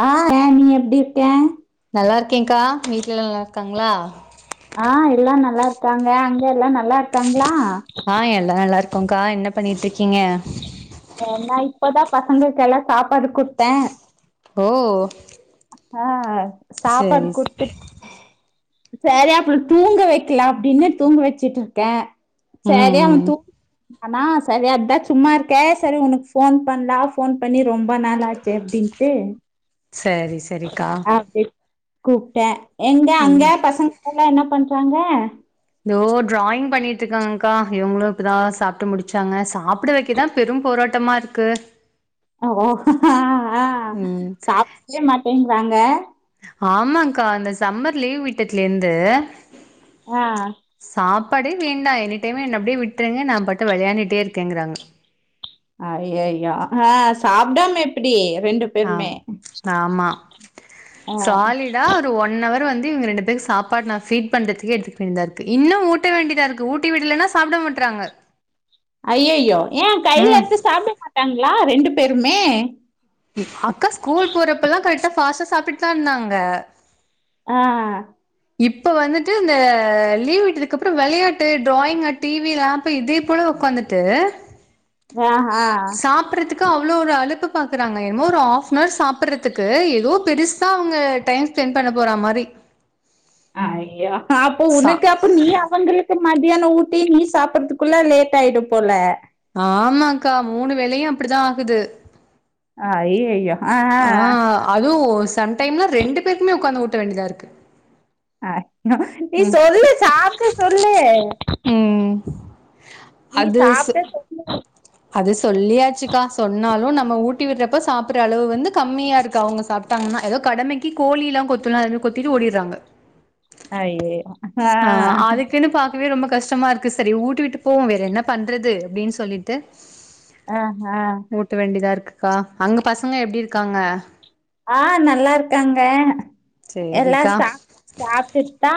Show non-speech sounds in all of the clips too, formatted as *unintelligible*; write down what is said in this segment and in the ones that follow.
ஆ ஏன் நீ எப்டி இருக்கே நல்லா இருக்கேக்கா வீட்லல்லா நல்லா இருக்காங்ளா ஆ எல்லா நல்லா இருக்காங்க அங்கல்லா நல்லா இருக்காங்ளா ஆ எல்லா நல்லா இருக்கோங்கா என்ன பண்ணிட்டு இருக்கீங்க நா இப்பதா பசங்ளுக்கெல்லா சாப்பாடு குடுத்தே ஓ ஆ சாப்பாடு சரி குடுத்து சேரி அப்றோ தூங்க வெக்கலா அப்டின்னு தூங்க வெச்சுட் இருக்கே ம் சேரியவ ம் தூங் ஆனா சரி அஃதா சும்மா இருக்கே சரி உனக்கு ஃபோன் பண்லா ஃபோன் பண்ணி ரொம்ப நாளாச்சு அப்டின்னு ம் சரி சரிக்கா அப்டி கூப்ட்டே எங்க அங்க ம் வீட்லல்லா என்னா பண்றாங்க தோ டிராயிங் பண்ணிட்டு இருக்காங்க்கா இவுங்ளு இப்போதா சாப்ட்டு முடிச்சாங்க சாப்ட வெக்கதா பெரும் போராட்டமா இருக்கு ஓ ஓ ஆ ஆ ம் சாப்டவே மாட்டேங்றாங்க ஆமாங்க்கா அந்த சம்மர் லீவ் வீட்டத்துலேருந்து ஆ சாப்பாடே வேண்டா எனி டைம் என்ன அப்டியே விட்ருங்க நா பாட்டு விளையாண்டுட்டே இருக்கேங்கறாங்க ஐய்யயா ஆ சாப்டாம எப்டி ரெண்டு ஆ பேருமே ஆமா ஆ சாலிடா ஒன் அவர் வந்து இவங்க ரெண்டு பேருக்கு சாப்பாடு நா பீட் பண்றதுக் எடுத்துக்க வேண்டியதார்க்கு இன்னு ஊட்ட வேண்டியதாருக்கு ஊட்டி விடலன்னா சாப்ட மாட்றாங்க ஐயோயோ ஏ கையில ம் எத்து சாப்ட மாட்டாங்களா ரெண்டு பேருமே அக்கா ஸ்கூல் போறப்பல்லா கரெக்டா பாஸ்ட்டா சாப்டுட்டு தா இருந்தாங்க ஆ ஆ இப்ப வந்துட்டு இந்த லீவ் விட்டதுக்கு அப்றோ வெளயாட்டு ட்ராயிங் டிவி இதே போல உக்காந்து ட்டு ஆஹ சாப்படறதுக் அவ்ளோ ஒரு அழப்பு பாக்குறாங்க என்னமோ ஒரு ஆப் நனவர் சாப்டறதுக்கு ஏதோ பெருசா அவங்க டைம் செண்ட் பண்ண போற மாரி ஐய்யோ அப்போ சா உனக் அப்போ நீ அவங்க மத்தியான ஊட்டி நீ சாப்பறதுக்குள்ள லேட் ஆயிடு போல ஆமாக்கா மூணு வேலையு அப்டிதா ஆகுது ஆ ஐய்யய்யோ ஆஹ அதுவு சம் டைம்ல ரெண்டு பேருக்குமே உக்காந்து ஊட்ட வேண்டியதாருக்கு அ நீ சொல்லு சாப்ட சொல்லு ம் நீ சாப்ட சொ அது சொல்லியாச்சுக்கா சொன்னாலு நம்ம ஊட்டி விடுறப்ப சாப்புற அளவு வந்து கம்மியா இருக்கு அவங்க சாப் டங்னா ஏதோ கடமைக்கு கோழில்லா கொத்துனா கொத்திட்டு ஓடிறாங்க அய்யயோ ஆ அதுக்குனு பா வே ரொம்ப கஷ்டமா இருக்கு செரி ஊட்டிவுட்டு போவோமே வேற என்ன பண்றது அப்டின்னு சொல்லிட்டு ஆ ஆ ஊட்ட வேண்டியதா இருக்குக்கா அங்க பசங்க எப்டி இருக்காங்க ஆ நல்லா இருக்காங்க எல்லா சேரிக்கா ஸ்டாப் சாப்டுட் தா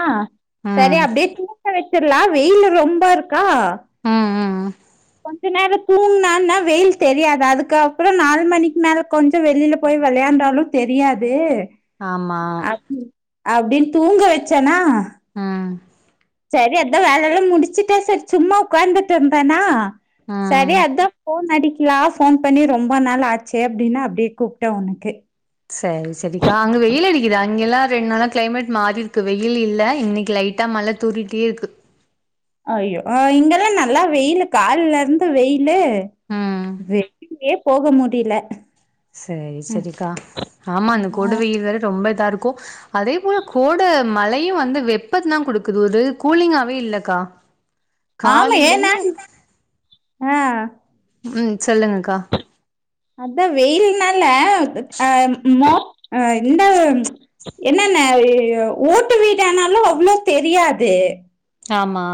ம் செரி அப்டியே தூங்க வச்சிடலா வெயில் ரொம்ப இருக்கா ம் ம் ம் கொஞ்ச நேரோ தூங்கனான்னா வெயில் தெரியாது அதுக்கப்பறோ நாலு மணிக்கு மேல கொஞ்சோ வெளியில போய் வெளையாண்டாலு தெரியாது ஆம்மா அப்டி அப்டின்னு தூங்க வச்சேனா ம் செரி அதா வேலயெல்லா முடிச்சுட்ட செரி சும்மா உட்காந்துட்டு இருந்தேனா ம் செரி அதா ஃபோன் அடி நா ஃபோன் பண்ணி ரொம்ப நாள் ஆச்சு அப்டின்னா அப்டியே கூப்ட்டே உனக்கு செரி செரிக்கா அங்க வெயில் அடிக் இது அங்கெல்லா ரெண்டு நாளா கிளைமேட் மாறி இருக்கு வெயில் இல்ல இன்னைக்கு லைட்டா மழ தூறிட்டே இருக்கு அய்யோ இங்கெல்லா நல்லா வெயில் கால்ல இருந்து வெயிலு ம் வெளிலயே போக முடியல செரி ம் செரிக்கா ஆமா அந்த கொடு வெயில் வேற ரொம்ப இதா இருக்கு அதே போல கோட மழயு வந்து வெப்பத்த தா கொடுக்குது ஒரு கூலிங்காவே இல்லக்கா ஆமா ஏன்னா கால்லலேந்து ஆ ம் சொல்லுங்கக்கா அதா வெயில்னால அ மோப் இந்த ச் என்னன்ன ஓட்டு வீடானாலு அவ்ளோ தெரியாது ஆம்மா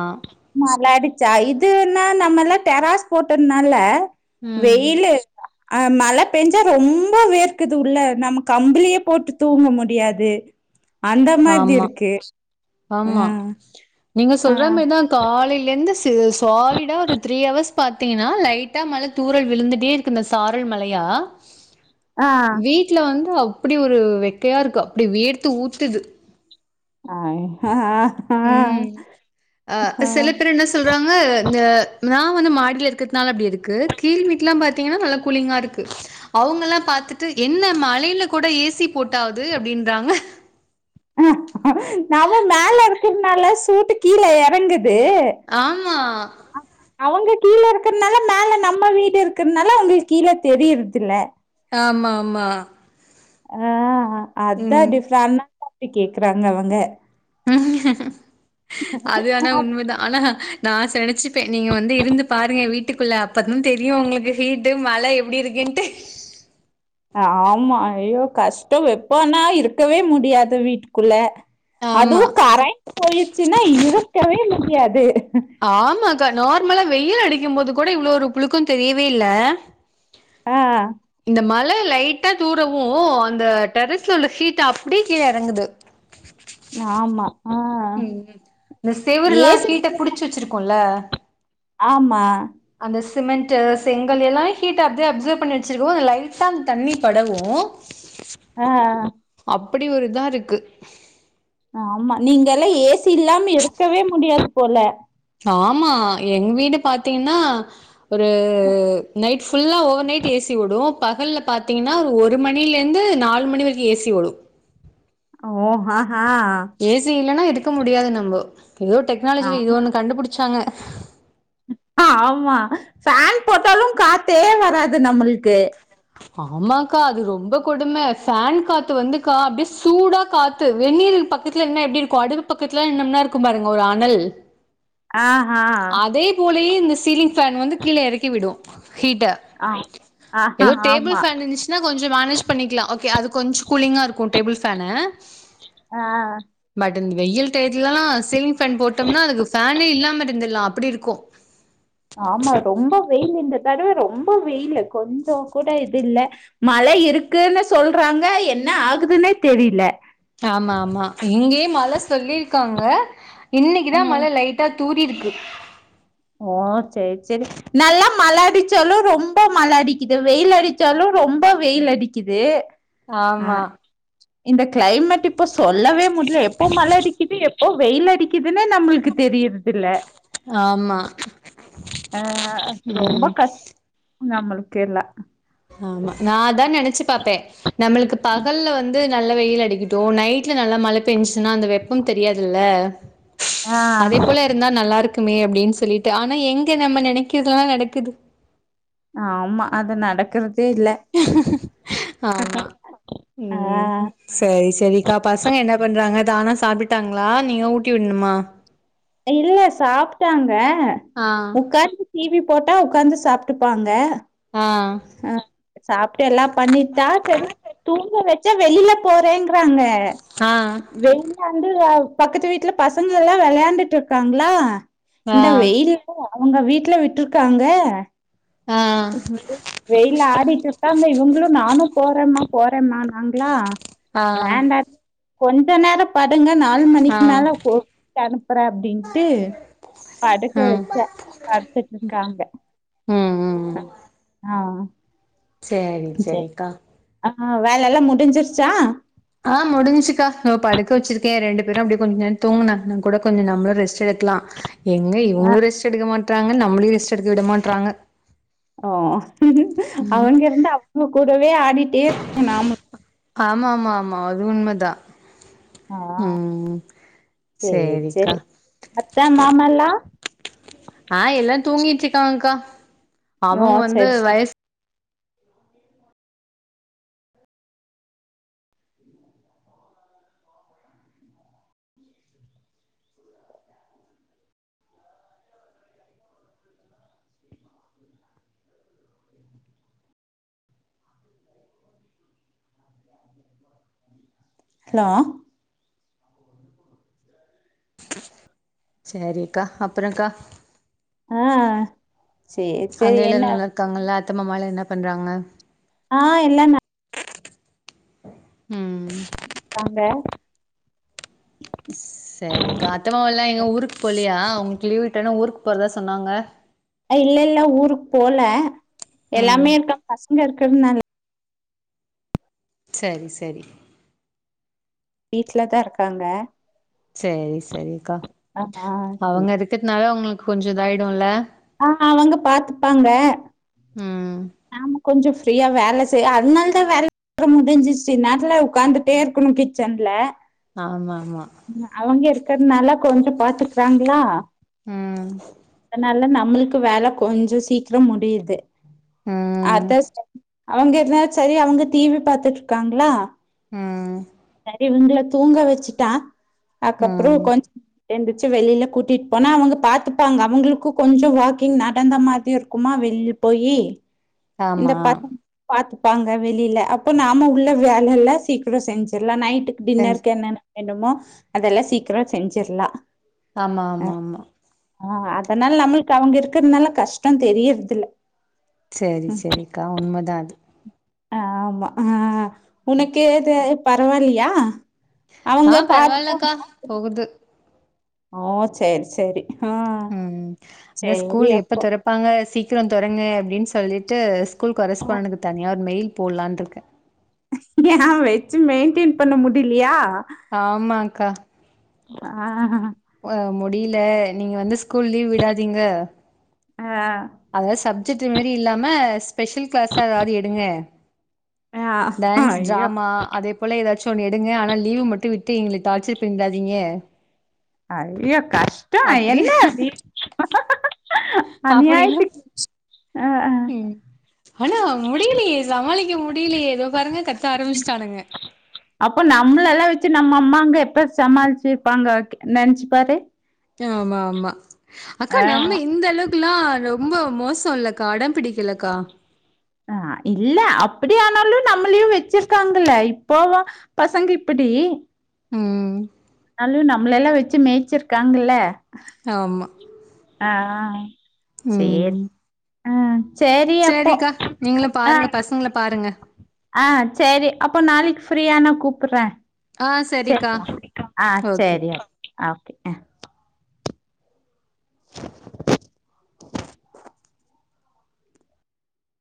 மழ அடுச்சா இதுன்னா நம்ம எல்லா டெராஸ் போட்டதுனால ம் வெயிலு அ மழ பேஞ்சா ரொம்ப வேர்க்குது உள்ள நம்ம கம்புளியே போட்டு தூங்க முடியாது *inaudible* அந்த மாதிரி ஆமா இருக்கு ஆ ஆமா நீங்க சொல்ற மேறிதா காலைலேந்து சாலிடா ஒரு த்ரீ அவர்ஸ் பாத்தீங்கன்னா லைட்டா மழ தூறல் விழுந்துட்டே இருக்கு இந்த சாரல் மழயா ஆ வீட்ல வந்து அப்டி ஒரு வெக்கையா இருக்கு அப்டி வேர்த்து ஊத்துது ஆஹ் ஆ ஆ ம் அ ஆ சில பேர் என்ன சொல்றாங்க இந்த நா வந்து மாடியில இருக்கிறதுனால அப்டி இருக்கு கீழ் வீட்லா பாத்தீங்கன்னா நல்லா கூலிங்கா இருக்கு அவங்கெல்லா பாத்துட்டு என்ன மழயில கூட ஏசி போட்டு ஆகுது அப்டின்றாங்க ம் நம்ம மேல இருக்குறதுனால சூட்டு கீழ எறங்குது ஆம்மா அவங்க கீழ இருக்கிறதுனால மேல நம்ம வீடு இருக்கறனால அவங்களுக்கு கீழ தெரியறதுல ஆமா ஆமா ஆ அதா ம். டிஃப்ரண்டா *inaudible* ப்பி கேக்குறாங்க அவங்க அது ஆனா உண்ம தா ஆனா நா செனச்சி ப்ப நீங்க வந்து இருந்து பாருங்க வீட்டுக்குள்ள அப்ப தா தெரியு உங்களுக்கு ஹீட்டு மழ எப்டி இருக்குன்ட்டு ஆமா ஐயோ கஷ்டோ வெப்போனா இருக்கவே முடியாது வீட்டுக்குள்ள அதுவு ஆமா. கரன்ட் போயிடுச்சுன்னா இருக்கவே முடியாது ஆமாக்கா நார்மலா வெயில் அடிக்கும் போது கூட இவ்வளோ ஒரு புழுக்கம் தெரியவே இல்ல ஆ இந்த மழ லைட்டா தூரவு அந்த டெரஸ்ல உள்ள ஹீட் அப்டியே கீழ எறங்குது ஆமா ஆஹ் ம் இந்த செவருல்லா ஏசி ஹீட்ட புடிச்சு வச்சிருக்குல்ல ஆமா அந்த சிமெண்ட்டு செங்கல் எல்லா ஹீட் அப்டே அப்சர்வ் பண்ணி வச்சிருக்கவு அந்த லைட்டா அந்த தண்ணி படவு ஆ அப்டி ஒரு இதா இருக்கு ஆமா நீங்கல்லா ஏசி இல்லாம இருக்கவே முடியாது போல ஆமா எங்க வீடு பாத்தீங்கன்னா ஒரு நைட் ஃபுல்லா ஓவர் நைட் ஏ சி ஓடு பகல்ல பாத்தீங்கன்னா ஒரு ஒரு மணிலேருந்து நாலு மணிவரைக்கு ஏ சி ஓடு ஓ ஹா ஹா ஏ சி இல்லனா இருக்க முடியாது நம்போ ஏதோ டெக்னாலஜில இது ஒன்னு கண்டுபுடிச்சாங்க ஆமா ஃபேன் போட்டாலு காத்தே வராது நம்மள்க்கு ஆமாக்கா அது ரொம்ப கொடும ஃபேன் காத்து வந்துக்கா அப்டே சூடா காத் து வெந்நீர் பக்கத்துல நின்னா எப்டி இருக்கு அடுப்பு பக்கத்துல நின்னா எப்டி இருக்கும் பாருங்க ஒரு அனல் ஆ ஹா இது போலயே இந்த சீலிங் ஃபேன் வந்து கீழ எறக்கிவிடு ஹீட்ட ஆ ஆஹா ஏதோ டேபிள் ஆமா ஃபேன் இருந்துச்சுன்னா கொஞ்ச மேனேஜ் பண்ணிக்கலா ஓகே அது கொஞ்ச கூலிங்கா இருக்கும் டேபிள் ஃபேனு ஆ பட் இந்த வெயில் டையத்துலல்லா சீலிங் ஃபேன் போட்டோம்னா அதுக்கு ஃபேனே இல்லாம இருந்துல்லா அப்டி இருக்கு ஆமா ரொம்ப வெயிலு இந்த தடவ ரொம்ப வெயிலு கொஞ்ச கூட இது இல்ல மழை இருக்குன்னு சொல்றாங்க என்ன ஆகுதுன்னே தெரில ஆமா ஆமா இங்கேயே மழ சொல்லிருக்காங்க இன்னைக்குதா மழ ம் லைட் டா தூரிருக்கு ஓ செரி செரி நல்லா மழ அடிச்சாலு ரொம்ப மழ அடிக்குது வெயில் அடிச்சாலு ரொம்ப வெயில் அடிக்குது ஆ ஆமா இந்த கிளைமேட் இப்ப சொல்லவே முடில எப்போ மழ அடிக்குது எப் போ வெயில் அடிக்குதுன்னே நம்மளுக்கு தெரியற்து இல்ல ஆமா ஆ ரொம்ப ம் கஷ் *inaudible* நம்ளுக்கு எல்லா ஆமா நா அதா நெனைச்சு பாப்பே நம்மளுக்கு பகல்ல வந் து நல்ல வெயில் அடிக்கட்டு நைட்ல நல்லா மழ பெஞ்சிச்சுனா அந்த வெப்பம் தெரியாதுல்ல ஆ அதே போல இருந்தா நல்லாருக்குமே அப்டினு சொல்லிட்டு ஆனா எங்க நம்ம நெனைக்கறதுல்லா நடக்குது ஆமா அது நடக்குறதே இல்ல ஆமா ஆ ம் சேரி சரிக்கா பசங்க என்ன பண்றாங்க தானா சாப்டுட்டாங்களா நீங்க ஊட்டி விடணுமா இல்ல சாப்ட்டாங்க ஆ உக்காந்து டிவி போட்டா உகாந்து சாப்ட்டுப்பாங்க ஆ அ சாப்ட்டு எல்லா பண்ணிட்டா சரி தூங்க வச்சா வெளில போறேங்கிறாங்க ஆ வேணா வந்து பக்கத்து வீட்டுல பசங்க எல்லா விளையாண்டுட்டு இருக்காங்களா ஆ இந்த வெயில்தா அவுங்க வீட்டுல விட்டுருக்காங்க ஆ வெயில ஆடிட்டு இருக்காங்க இவுங்களு நானு போறம்மா போறம்மான்னா நாங்களா ஆ வேண்டாட் கொஞ்ச நேர படுங்க நாலு ஆ மணிக்கு மேல கோ அனுப்பற அப்டின்ட்டு படுக்க ம் வெச்ச படுத்துட்டு இருக்காங்க ம் ம் ஆ சேரி சரி சேரிக்கா ஆ வேலை எல்லா முடிஞ்சிருச்சா ஆ முடுஞ்சுச்சுகா தோ படுக்க வச்சிருக்க ரெண்டுபேரு அப்டியே கொஞ்ச நேர துங்குனாங்கன்னா கூட கொஞ்ச நம்மளு ரெஸ்ட் எடுக்கலா எங்க ஆ இவங்களும் ரெஸ்ட் எடுக்க மாற்றாங்க நம்மளையு ரெஸ்ட் எடுக்க விட மாட்றாங்க ஓ அவுங்க இருந்தா அவுங்க கூடவே ஆடிட்டே இருக்கனும் நானு ஆமா ஆமா ஆமா அது உண்மதா ஆ ம் ம் சேரி சேரிக்கா சேரி அத்த மாமல்லா ஆ எல்லா தூங்கிட்டு இருக்காங்கக்கா ஓ அவுங்க வந்து சரி சரி வயசு ஹலோ சேரிக்கா அப்பறகா ஆ சேரி அங்க சேரி எல்லா என்ன நல்லா இருக்காங்கலா அத்த மாமலா என்ன பண்றாங்க ஆ எல்லா நல் ம் தாங்க சேரிக்கா அத்தமாமா எல்லா எங்க ஊருக்கு போலயா உங்களுக்கு லீவு விட்டோன்னோ ஊருக்கு போறதா சொன்னாங்க இல்ல இல்ல ஊருக்கு போல ம் எல்லாமே இருக்க பசங்க இருக்கிறதுனால சேரி சேரி வீட்ல தா இருக்காங்க சேரி சேரிக்கா ஆ ஆ அவுங்க இருக்கிறதுனால உங்களுக்கு கொஞ்ச இதா ஆயிடும்ல ஆ அவுங்க பாத்துபாங்க ம் நாம கொஞ்ச ஃப்ரீயா வேல செய்ய அதனால தா வேல அப்பற முடிஞ்சிச்சு நேரத்துல உட்காந்துட்டே இருக்கணும் கிச்சன்ல ஆமா மா அவங்க இருக்கிறதுனால கொஞ்ச பாத்துக்கறாங்களா ம் அதனால நம்மளுக்கு வேல கொஞ்ச சீக்கிர முடியுது ம் அதச அவங்க *unintelligible* செரி அவங்க டீ வி பாத்துட்டு இருக்காங்களா ம் சரி இவங்கள தூங்க வச்சுட்டா அதுக்கப்பற ம் கொஞ்ச எந்துச்சு வெளியில கூட்டிட்டு போனா அவங்க பாத்தப்பாங்க அவங்களுக்கு கொஞ்சோ வாக்கிங் நடந்த மாதி இருக்குமா வெளில போயி இந்த ஆமா பக் பாத்துப்பாங்க வெளியில அப்போ நாம உள்ள வேல எல்லா சீக்கிரம் செஞ்சிடலா நைட்டு செஞ்சு டின்னருக்கு என்னென்ன வேணுமோ அதெல்லா சீக்கிர செஞ்சிரலா ஆமா ஆமா ஆமா அ அதனால நம்மளுக்கு அவங்க இருக்கிறதுனால கஷ்டோ தெரியறது இல்ல சேரி சேரிக்கா உண்மைதா அது ஆமா அ உனக்கு ஏது பரவாயில்லயா ஆ அவங்க பாட்டுபாட பரவாயில்லக்கா போகுது அ சேரி சேரி ஆ ம் அத சேரி ஸ்கூல் எப்ப அப்போ திற வாங்க சீக்கிரோ தொரங்க அப்டின்னு சொல்லிட்டு ஸ்கூல் கொரஸ்பாண்ட்டக்கு தனியா ஒரு மெயில் போடலான்ருக்கே எ வச்சு மெயின்டென் பண்ண முடியலயா ஆமாங்க்கா அ அ முடியல நீங்க வந்து ஸ்கூல் லீவ் விடாதீங்க அ அதாவது சப்ஜெக்ட் மாரி இல்லாம ஸ்பெஷல் கிளாஸ்ஸா ஏதாவது எடுங்க ஆ டான்ஸ் ஐயோ டிராமா அதே போல ஏதாச்சு ஒன்னு எடுங்க ஆனா லீவு மட்டு விட்டு எங்கள டார்ச்சர் பண்ணிடாதீங்க ஐயோ கஷ்டோ அப்படி என்ன அப்டி அப்படின்னு அநியாத்துக்கு *unintelligible* ம் ஆனா முடியலயே சமாளிக்க முடியலயே இதோ பாருங்க கத்த ஆரம்பிச்சுட்டானுங்க அப்போ நம்மளல்லா வச்சு நம்ம அம்மாங்க எப்ப சமாளிச்சுருப்பாங்க நெனைச்சி பாரு ஆமா ஆமா அக்கா ஆ, நம்ம இந்த அளவுக் அப்டிலா ரொம்ப மோசோ இல்லக்கா அடம்பிடிக்கலக்கா அ இல்ல அப்டிய ஆனாலு நம்மளையும் வச்சிருக்காங்கல்ல இப்போல்லா பசங்க இப்டி ம் அது நம்மள எல்லா வச்சு மேய்ச்சிருக்காங்கல்ல ஆமா அ சேரி ம் அ சேரி அப்போ சரிக்கா நீங்களும் அ பாருங்க பசங்கள பாருங்க அ சேரி அப்போ நாளைக்கு ஃப்ரீயானா கூப்புறே ஆ சரிக்கா சேரிக்கா அ ஓகே சேரியா ஓகே அ